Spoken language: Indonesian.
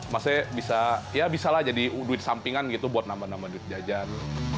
maksudnya bisa ya bisa lah jadi duit sampingan gitu buat nambah nambah duit jajan